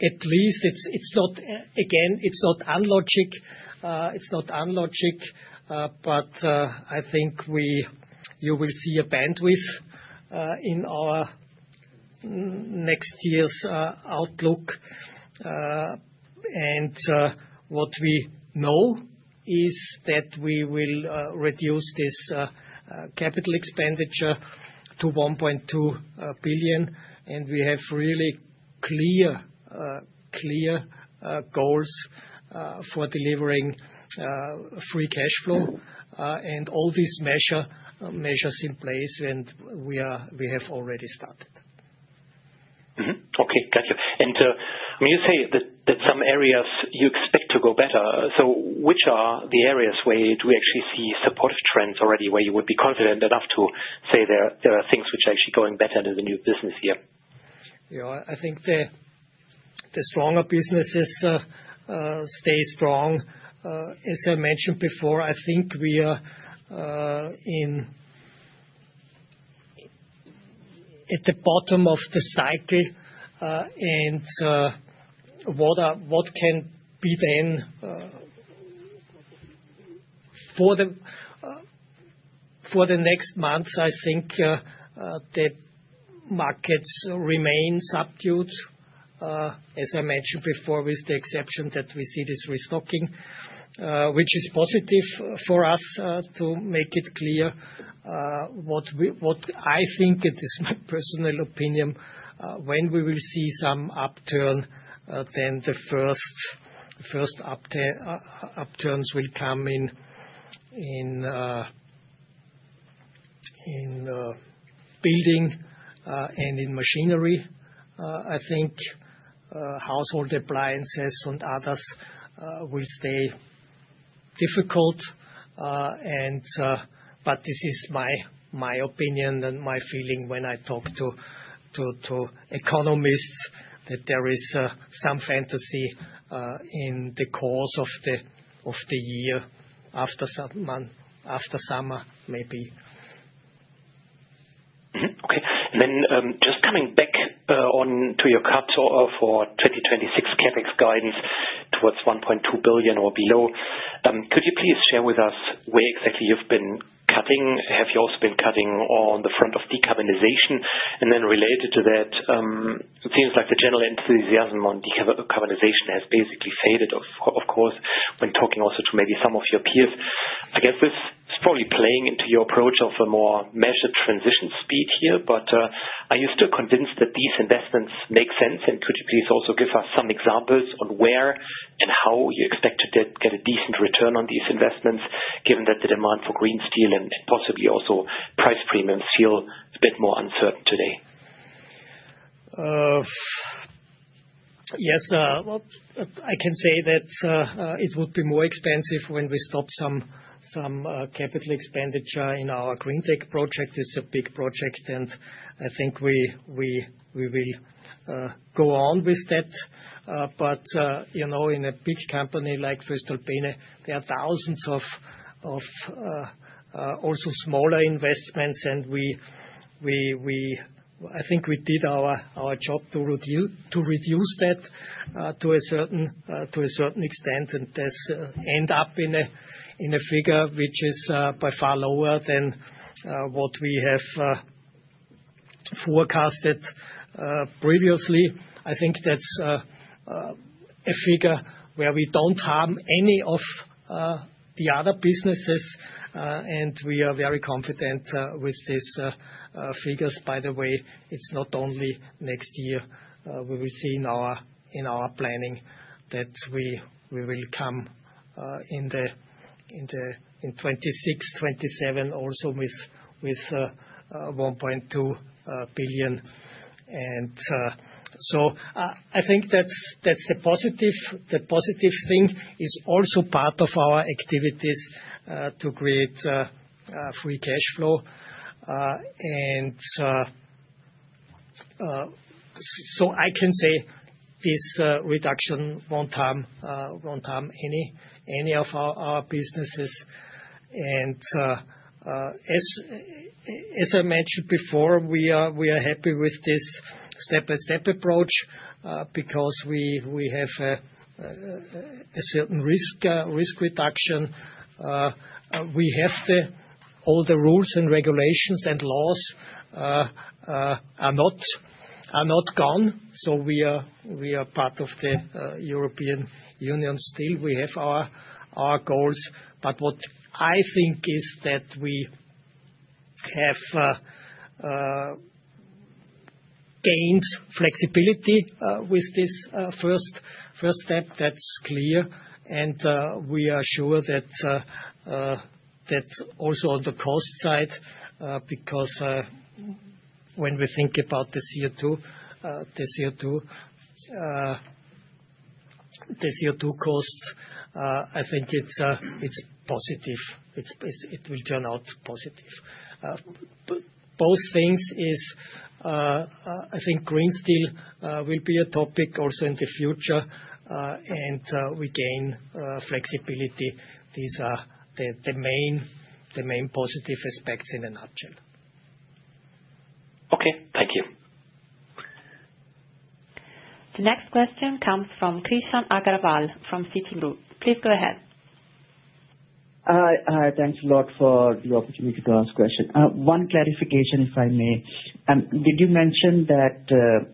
At least, again, it's not illogical. It's not illogical, but I think you will see a bandwidth in our next year's outlook. And what we know is that we will reduce this capital expenditure to 1.2 billion. And we have really clear goals for delivering free cash flow and all these measures in place, and we have already started. Okay, got you. And you say that some areas you expect to go better. So which are the areas where do we actually see supportive trends already where you would be confident enough to say there are things which are actually going better in the new business year? Yeah, I think the stronger businesses stay strong. As I mentioned before, I think we are at the bottom of the cycle. And what can be then for the next months? I think the markets remain subdued, as I mentioned before, with the exception that we see this restocking, which is positive for us to make it clear. What I think, it is my personal opinion, when we will see some upturn, then the first upturns will come in building and in machinery. I think household appliances and others will stay difficult. But this is my opinion and my feeling when I talk to economists that there is some fantasy in the course of the year after summer, maybe. Okay. And then just coming back onto your cut for 2026 CapEx guidance towards 1.2 billion or below, could you please share with us where exactly you've been cutting? Have you also been cutting on the front of decarbonization? And then related to that, it seems like the general enthusiasm on decarbonization has basically faded, of course, when talking also to maybe some of your peers. I guess this is probably playing into your approach of a more measured transition speed here. But are you still convinced that these investments make sense? And could you please also give us some examples on where and how you expect to get a decent return on these investments, given that the demand for green steel and possibly also price premium feel a bit more uncertain today? Yes, I can say that it would be more expensive when we stop some capital expenditure in our greentec steel project. It's a big project, and I think we will go on with that. But in a big company like voestalpine, there are thousands of also smaller investments. I think we did our job to reduce that to a certain extent. And that ends up in a figure which is by far lower than what we have forecasted previously. I think that's a figure where we don't harm any of the other businesses. And we are very confident with these figures. By the way, it's not only next year we will see in our planning that we will come in 2026, 2027 also with 1.2 billion. And so I think that's the positive thing. It's also part of our activities to create free cash flow. And so I can say this reduction won't harm any of our businesses. And as I mentioned before, we are happy with this step-by-step approach because we have a certain risk reduction. We have all the rules and regulations and laws are not gone. So we are part of the European Union still. We have our goals. But what I think is that we have gained flexibility with this first step. That's clear, and we are sure that also on the cost side, because when we think about the CO2, the CO2 costs, I think it's positive. It will turn out positive. Both things is, I think green steel will be a topic also in the future, and we gain flexibility. These are the main positive aspects in a nutshell. Okay, thank you. The next question comes from Krishan Agarwal from Citigroup. Please go ahead. Hi, thanks a lot for the opportunity to ask a question. One clarification, if I may. Did you mention that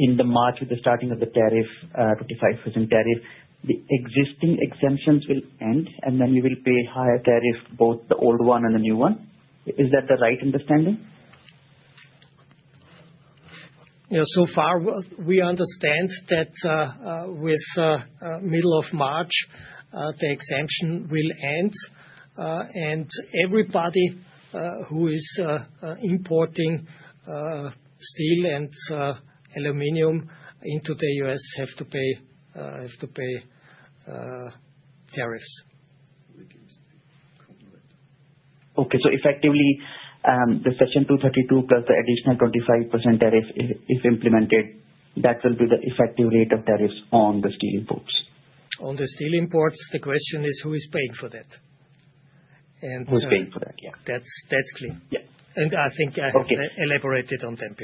in March, with the starting of the tariff, 25% tariff, the existing exemptions will end and then you will pay higher tariff, both the old one and the new one? Is that the right understanding? Yeah, so far we understand that with middle of March, the exemption will end. And everybody who is importing steel and aluminum into the U.S. have to pay tariffs. Okay, so effectively the Section 232 plus the additional 25% tariff, if implemented, that will be the effective rate of tariffs on the steel imports? On the steel imports, the question is who is paying for that? Who is paying for that? Yeah, that's clear. And I think I have elaborated on that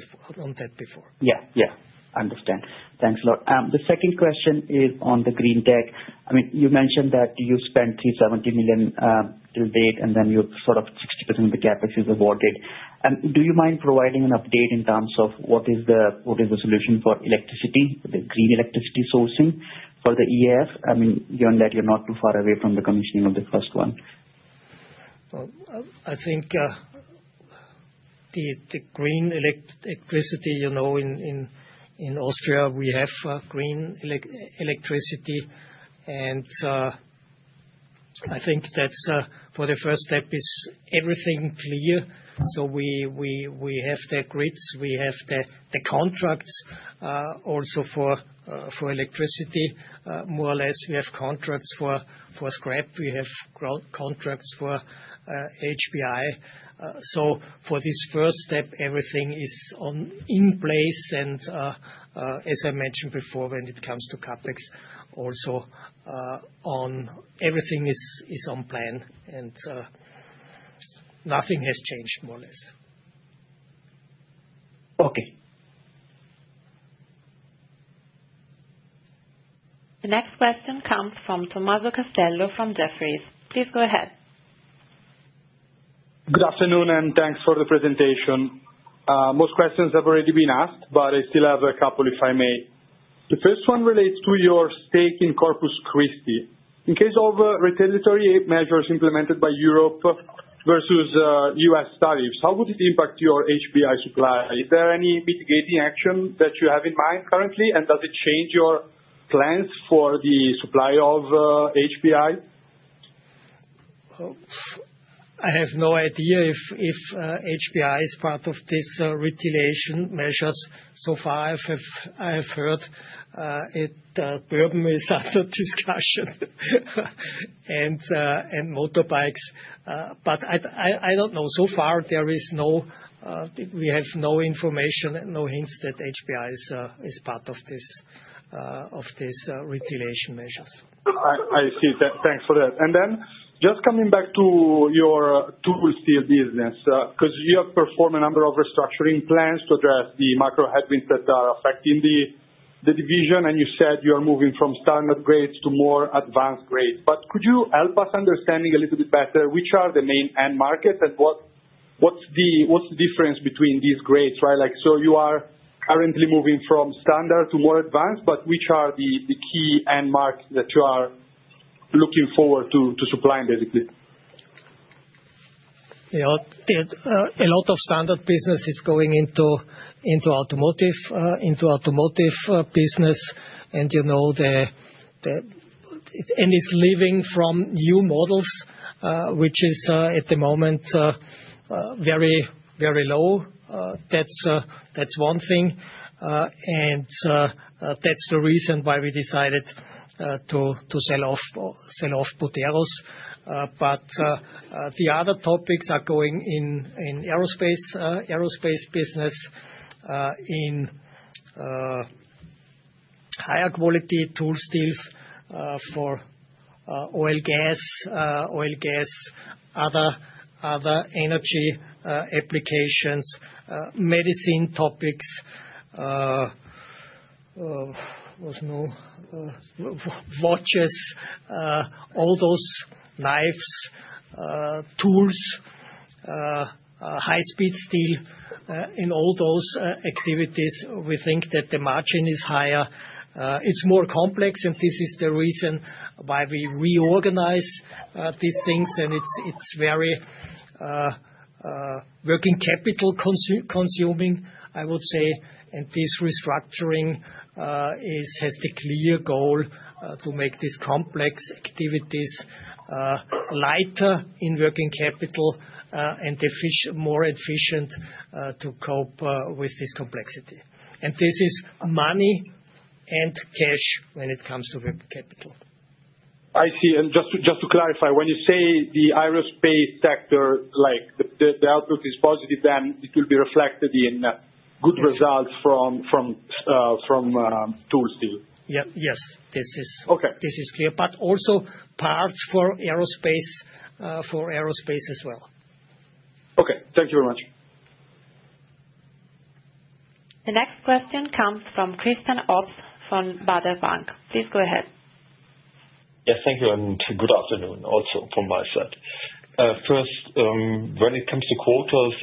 before. Yeah, yeah, understand. Thanks a lot. The second question is on the greentec. I mean, you mentioned that you spent 370 million to date, and then you're sort of 60% of the CapEx is awarded. Do you mind providing an update in terms of what is the solution for electricity, the green electricity sourcing for the EAF? I mean, given that you're not too far away from the commissioning of the first one. I think the green electricity in Austria, we have green electricity. And I think that for the first step is everything clear. So we have the grids, we have the contracts also for electricity. More or less, we have contracts for scrap. We have contracts for HBI. So for this first step, everything is in place. And as I mentioned before, when it comes to CapEx, also everything is on plan and nothing has changed, more or less. Okay. The next question comes from Tommaso Castello from Jefferies. Please go ahead. Good afternoon and thanks for the presentation. Most questions have already been asked, but I still have a couple, if I may. The first one relates to your stake in Corpus Christi. In case of retaliatory measures implemented by Europe versus U.S. tariffs, how would it impact your HBI supply? Is there any mitigating action that you have in mind currently? And does it change your plans for the supply of HBI? I have no idea if HBI is part of these retaliation measures. So far, I have heard it probably is under discussion and motorbikes. But I don't know. So far, there is no information and no hints that HBI is part of these retaliation measures. I see that. Thanks for that. And then just coming back to your tool steel business, because you have performed a number of restructuring plans to address the macro headwinds that are affecting the division. And you said you are moving from standard grades to more advanced grades. But could you help us understanding a little bit better which are the main end markets and what's the difference between these grades, right? So you are currently moving from standard to more advanced, but which are the key end markets that you are looking forward to supplying, basically? A lot of standard business is going into automotive business. And it's living from new models, which is at the moment very low. That's one thing. And that's the reason why we decided to sell off Buderus. But the other topics are going in aerospace business, in higher quality tool steels for oil gas, oil gas, other energy applications, medicine topics, watches, all those knives, tools, high-speed steel, in all those activities, we think that the margin is higher. It's more complex, and this is the reason why we reorganize these things. And it's very working capital consuming, I would say. And this restructuring has the clear goal to make these complex activities lighter in working capital and more efficient to cope with this complexity. And this is money and cash when it comes to working capital. I see. And just to clarify, when you say the aerospace sector, the outlook is positive, then it will be reflected in good results from tool steel? Yes, this is clear. But also parts for aerospace as well. Okay, thank you very much. The next question comes from Christian Obst from Baader Bank. Please go ahead. Yes, thank you. And good afternoon also from my side. First, when it comes to quotas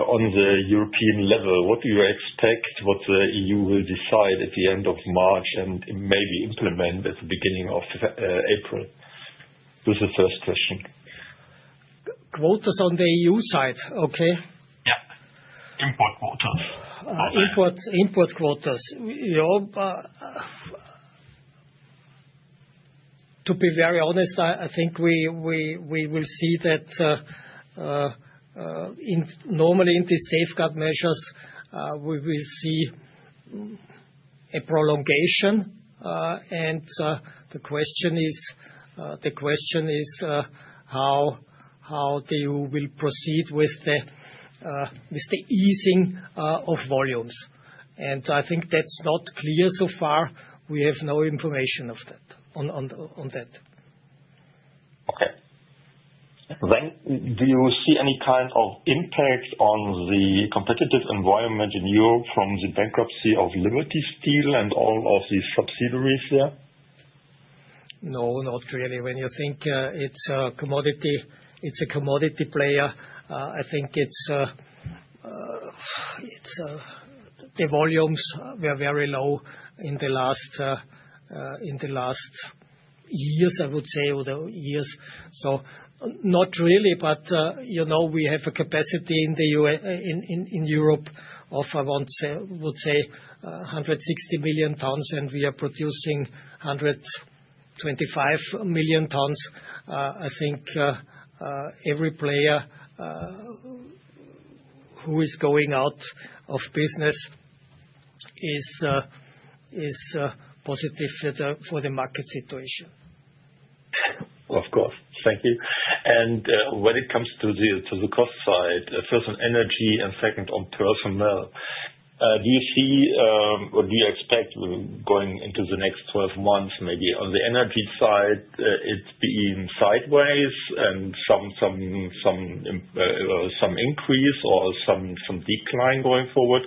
on the European level, what do you expect? What the EU will decide at the end of March and maybe implement at the beginning of April? This is the first question. Quotas on the EU side, okay? Yeah. Import quotas? Import quotas. To be very honest, I think we will see that normally in these safeguard measures, we will see a prolongation. And the question is how the EU will proceed with the easing of volumes. And I think that's not clear so far. We have no information on that. Okay. Then do you see any kind of impact on the competitive environment in Europe from the bankruptcy of Liberty Steel and all of the subsidiaries there? No, not really. When you think it's a commodity player, I think the volumes were very low in the last years, I would say, or the years. So not really, but we have a capacity in Europe of, I would say, 160 million tons, and we are producing 125 million tons. I think every player who is going out of business is positive for the market situation. Of course. Thank you. And when it comes to the cost side, first on energy and second on personnel, do you see or do you expect going into the next 12 months, maybe on the energy side, it's been sideways and some increase or some decline going forward?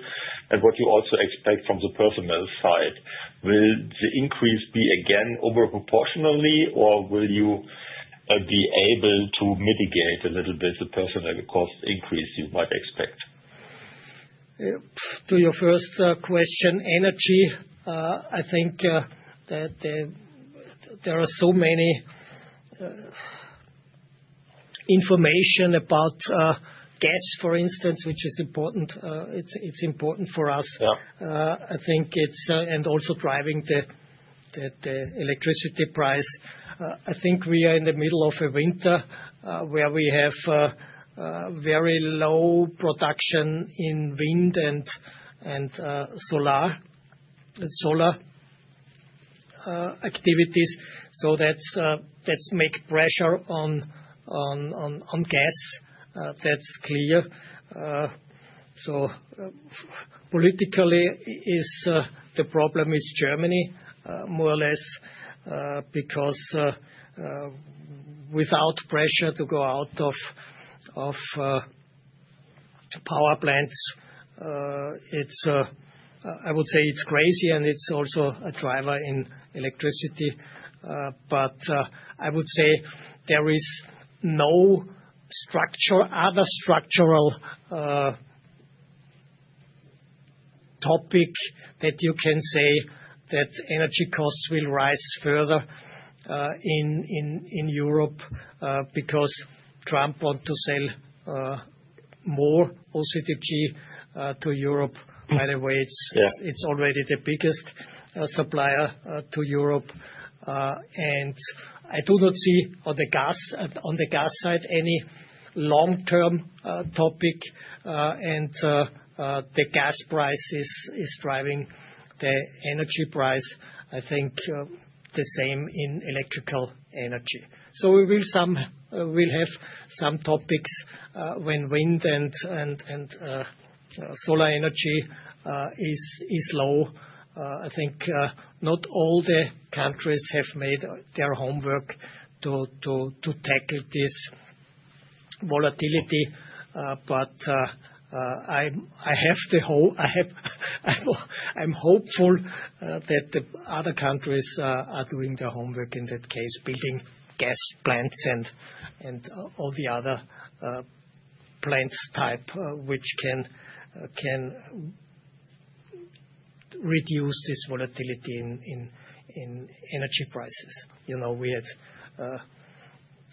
And what do you also expect from the personnel side? Will the increase be again overproportionally, or will you be able to mitigate a little bit the personnel cost increase you might expect? To your first question, energy, I think there are so many information about gas, for instance, which is important. It's important for us. I think it's and also driving the electricity price. I think we are in the middle of a winter where we have very low production in wind and solar activities. So that's making pressure on gas. That's clear. So politically, the problem is Germany, more or less, because without pressure to go out of power plants, I would say it's crazy, and it's also a driver in electricity. But I would say there is no other structural topic that you can say that energy costs will rise further in Europe because Trump wants to sell more OCTG to Europe. By the way, it's already the biggest supplier to Europe, and I do not see on the gas side any long-term topic. The gas price is driving the energy price, I think, the same in electrical energy. We will have some topics when wind and solar energy is low. I think not all the countries have made their homework to tackle this volatility. I have the hope I'm hopeful that the other countries are doing their homework in that case, building gas plants and all the other plants type, which can reduce this volatility in energy prices. We had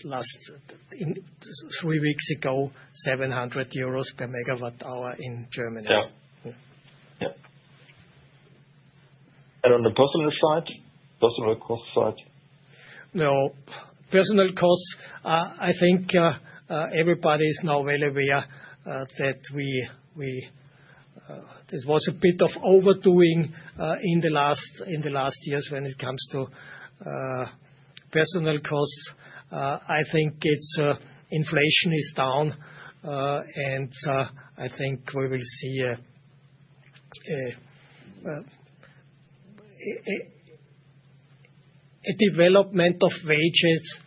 last three weeks ago, 700 euros per megawatt hour in Germany. Yeah. On the personnel side, personnel cost side? No, personnel costs, I think everybody is now aware that there was a bit of overdoing in the last years when it comes to personnel costs. I think inflation is down, and I think we will see a development of wages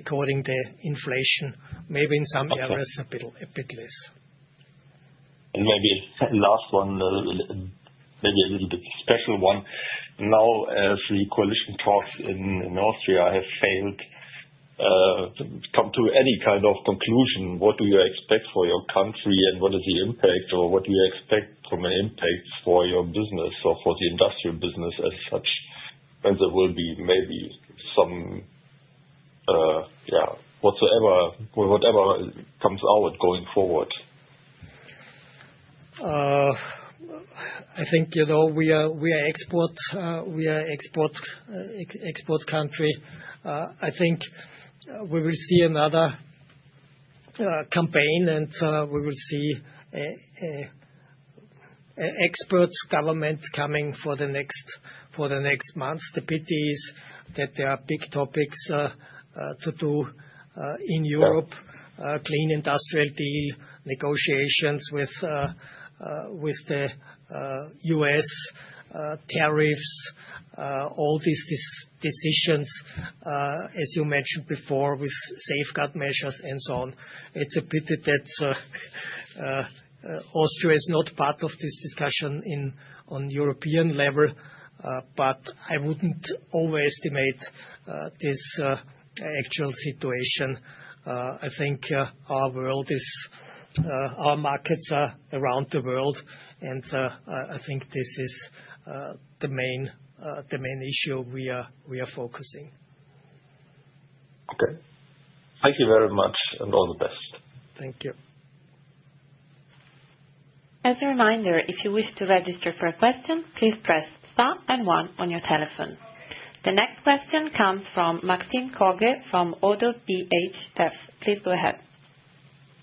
according to inflation. Maybe in some areas, a bit less. And maybe last one, maybe a little bit special one. Now, as the coalition talks in Austria have failed to come to any kind of conclusion, what do you expect for your country and what is the impact, or what do you expect from an impact for your business or for the industrial business as such? And there will be maybe some, yeah, whatever comes out going forward. I think we are export country. I think we will see another campaign, and we will see export government coming for the next months. The pity is that there are big topics to do in Europe: Clean Industrial Deal, negotiations with the U.S. tariffs, all these decisions, as you mentioned before, with safeguard measures and so on. It's a pity that Austria is not part of this discussion on European level, but I wouldn't overestimate this actual situation. I think our world is our markets are around the world, and I think this is the main issue we are focusing. Okay. Thank you very much and all the best. Thank you. As a reminder, if you wish to register for a question, please press star and one on your telephone. The next question comes from Maxime Kogge from ODDO BHF. Please go ahead.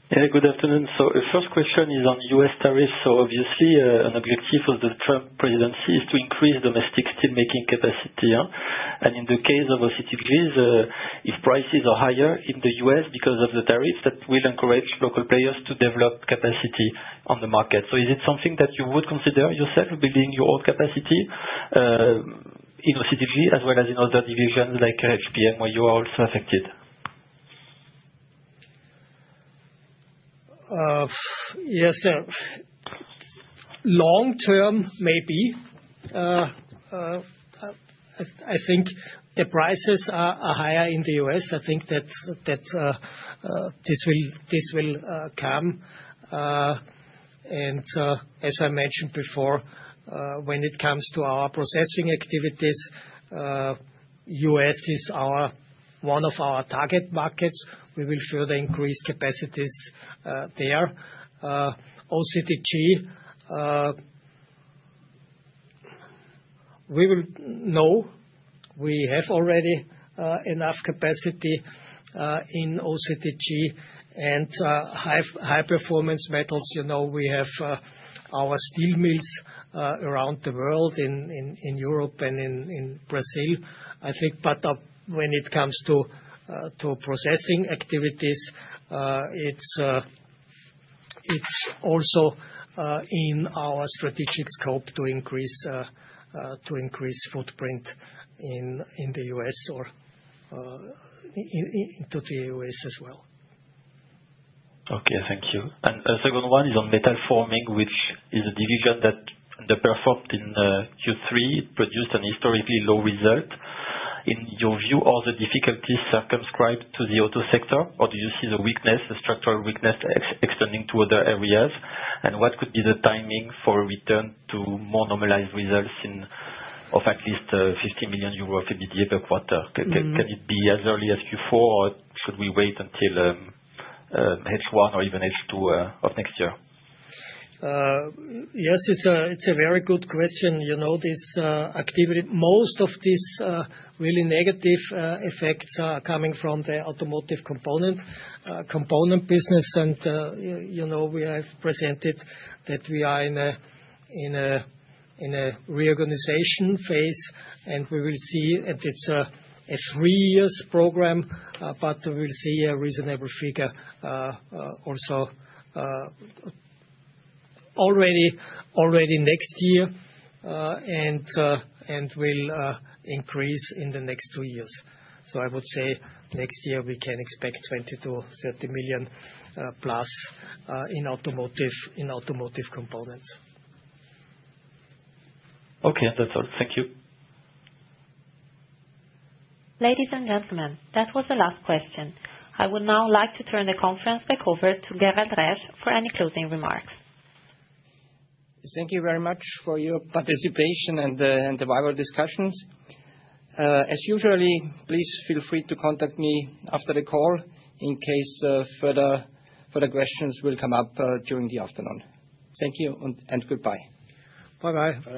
Yeah, good afternoon. So the first question is on U.S. tariffs. So obviously, an objective of the Trump presidency is to increase domestic steelmaking capacity. And in the case of OCTG, if prices are higher in the U.S. because of the tariffs, that will encourage local players to develop capacity on the market. So is it something that you would consider yourself building your own capacity in OCTG as well as in other divisions like HPM where you are also affected? Yes. Long term, maybe. I think the prices are higher in the U.S. I think that this will come. And as I mentioned before, when it comes to our processing activities, U.S. is one of our target markets. We will further increase capacities there. OCTG, we will know we have already enough capacity in OCTG and High Performance Metals. We have our steel mills around the world in Europe and in Brazil, I think. But when it comes to processing activities, it's also in our strategic scope to increase footprint in the U.S. or into the U.S. as well. Okay, thank you. And the second one is on Metal Forming, which is a division that underperformed in Q3, produced a historically low result. In your view, are the difficulties circumscribed to the auto sector, or do you see the weakness, the structural weakness, extending to other areas? And what could be the timing for a return to more normalized results of at least 15 million euros per quarter? Can it be as early as Q4, or should we wait until H1 or even H2 of next year? Yes, it's a very good question. This activity, most of these really negative effects are coming from the Automotive Components business. And we have presented that we are in a reorganization phase, and we will see that it's a three-year program, but we will see a reasonable figure also already next year and will increase in the next two years. So I would say next year we can expect 20 million-30 million plus in Automotive Components. Okay, that's all. Thank you. Ladies and gentlemen, that was the last question. I would now like to turn the conference back over to Gerald Resch for any closing remarks. Thank you very much for your participation and the lively discussions. As usual, please feel free to contact me after the call in case further questions will come up during the afternoon. Thank you and goodbye. Bye-bye.